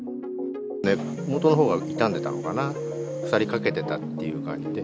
根元のほうが傷んでたのかな、腐りかけてたっていう感じで。